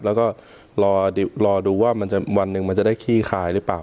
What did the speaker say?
แล้วก็รอดูว่าวันหนึ่งมันจะได้ขี้คายหรือเปล่า